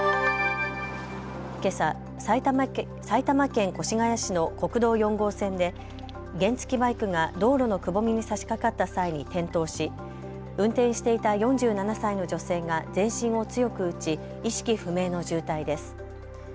けさ埼玉県越谷市の国道４号線で原付きバイクが道路のくぼみにさしかかった際に転倒し運転していた４７歳の女性が全身を強く打ち意識不明の重体です。